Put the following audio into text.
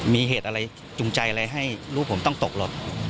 มีเหตุอะไรจุงใจอะไรให้ลูกผมต้องตกรถ